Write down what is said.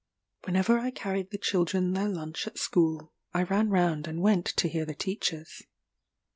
Whenever I carried the children their lunch at school, I ran round and went to hear the teachers.